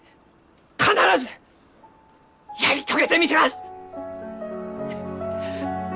やり遂げてみせます！